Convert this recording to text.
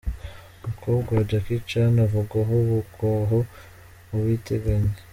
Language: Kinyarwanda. Umukobwa wa Jackie Chan, uvugwaho ubugwaho ubutinganyi.